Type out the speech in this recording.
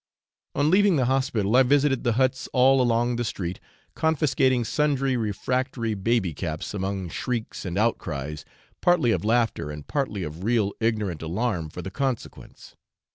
On leaving the hospital I visited the huts all along the street, confiscating sundry refractory baby caps among shrieks and outcries, partly of laughter and partly of real ignorant alarm for the consequence.